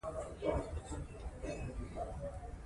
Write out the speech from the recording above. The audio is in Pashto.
پښتو ژبه دوه ډوله نظمونه لري.